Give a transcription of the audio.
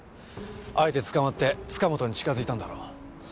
あえて捕まって塚本に近づいたんだろう。